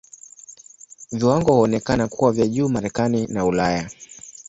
Viwango huonekana kuwa vya juu Marekani na Ulaya.